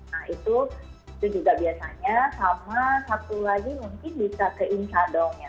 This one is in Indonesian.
nah itu itu juga biasanya sama satu lagi mungkin bisa ke insadong ya